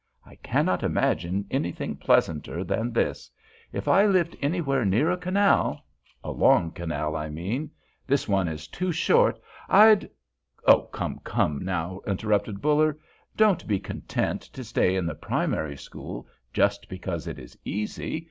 I cannot imagine anything pleasanter than this. If I lived anywhere near a canal—a long canal, I mean, this one is too short—I'd—" "Come, come now," interrupted Buller. "Don't be content to stay in the primary school just because it is easy.